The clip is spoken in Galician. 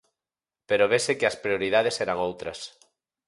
Pero vese que as prioridades eran outras.